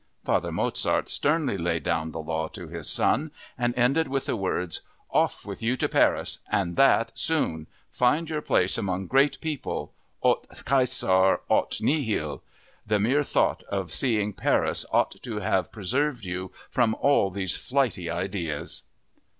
Father Mozart sternly laid down the law to his son and ended with the words: "Off with you to Paris! And that soon! Find your place among great people. Aut Caesar aut nihil. The mere thought of seeing Paris ought to have preserved you from all these flighty ideas!"